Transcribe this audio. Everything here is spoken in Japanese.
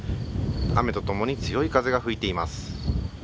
雨と共に強い風が吹いています。